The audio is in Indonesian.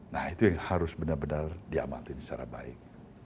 nah itu yang harus benar benar diamatin secara baik